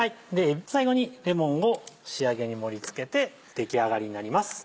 最後にレモンを仕上げに盛り付けて出来上がりになります。